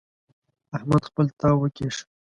احمد خپل تاو وکيښ.